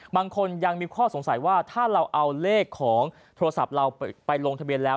บางคนยังมีข้อสงสัยว่าถ้าเราเอาเลขของโทรศัพท์เราไปลงทะเบียนแล้ว